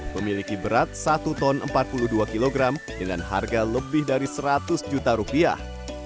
memiliki berat satu ton empat puluh dua kg dengan harga lebih dari seratus juta rupiah